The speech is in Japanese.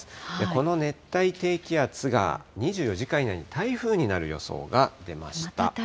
この熱帯低気圧が２４時間以内に台風になる予想が出ました。